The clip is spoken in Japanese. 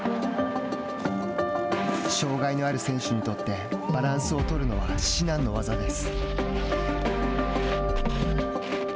障害のある選手にとってバランスを取るのは至難の業です